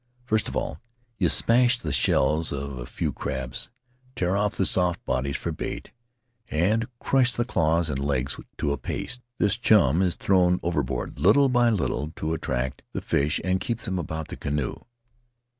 First of all you smash the shells of a few crabs, tear off the soft bodies for bait, and crush the claws and legs to a paste. This chum is thrown overboard little by little to attrach the fish and keep them about the canoe.